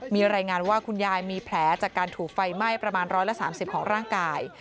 มีรายงานว่าคุณยายมีแผลจากการถูกไฟไหม้ประมาณ๑๓๐ของร่างกาย